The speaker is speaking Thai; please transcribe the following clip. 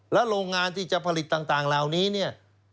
แล้วโรงงานที่จะผลิตต่างราวนี้